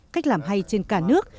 cách làm hay trên cả nước